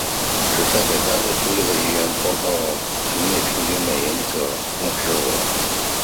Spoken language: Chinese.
指本单位就业人员在报告期内平均每人所得的工资额。